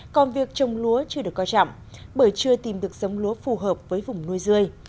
còn việc trồng lúa chưa được coi chẳng bởi chưa tìm được dống lúa phù hợp với vùng nuôi rơi